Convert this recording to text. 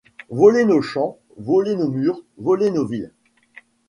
Voler nos-champs, -voler nos murs, voler nos villes